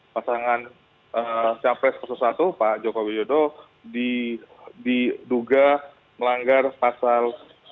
pasangan capres satu pak jokowi dodo diduga melanggar pasal dua ratus delapan puluh